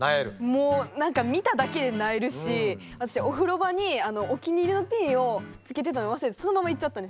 もう何か見ただけで萎えるし私お風呂場にお気に入りのピンをつけてたの忘れてそのまま行っちゃったんですよ。